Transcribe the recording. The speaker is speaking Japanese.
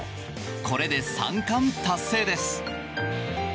これで３冠達成です。